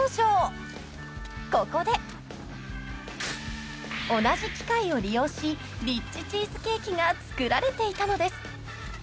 ［ここで同じ機械を利用しリッチチーズケーキが作られていたのです］